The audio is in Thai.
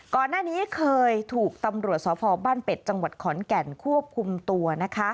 ก่อนหน้านี้เคยถูกตำรวจสพบ้านเป็ดจังหวัดขอนแก่นควบคุมตัวนะคะ